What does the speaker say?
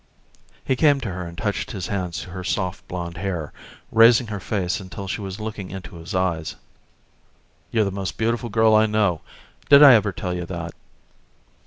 He came to her and touched his hands to her soft blond hair, raising her face until she was looking into his eyes. "You're the most beautiful girl I know. Did I ever tell you that?"